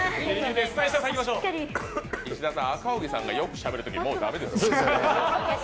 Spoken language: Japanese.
石田さん、赤荻さんがよくしゃべるときは、もう駄目です。